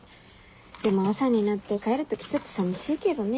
でも朝になって帰る時ちょっと寂しいけどね。